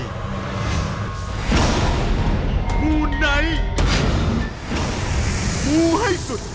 ขอบคุณครับ